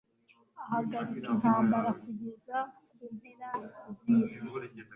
Ahagarika intambara kugeza ku mpera z’isi